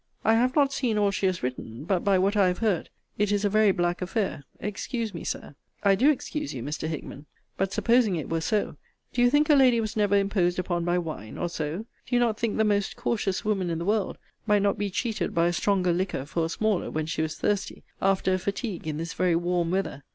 I have not seen all she has written; but, by what I have heard, it is a very black affair Excuse me, Sir. I do excuse you, Mr. Hickman: but, supposing it were so, do you think a lady was never imposed upon by wine, or so? Do you not think the most cautious woman in the world might not be cheated by a stronger liquor for a smaller, when she was thirsty, after a fatigue in this very warm weather?